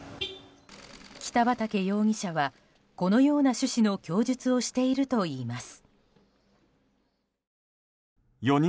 北畠容疑者は、このような趣旨の供述をしているといいます。